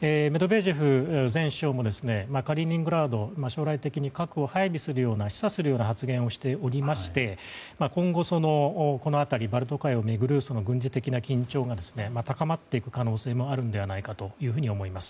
メドベージェフ前首相もカリーニングラードには将来的に核の配備を示唆するような発言をしていまして今後、この辺りバルト海を巡る軍事的な緊張が高まっていく可能性もあるのではないかと思います。